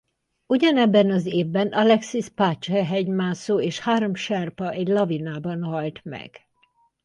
Ugyanebben az évben Alexis Pache hegymászó és három serpa egy lavinában halt meg.